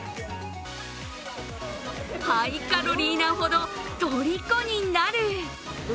ハイカロリーなほど、とりこになる。